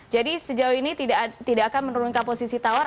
sejauh ini tidak akan menurunkan posisi tawar